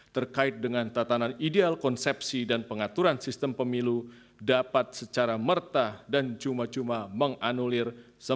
terkait dengan tatanan ideal konsepsi dan pengaturan sistem pemilu dapat secara merta dan cuma cuma menganulir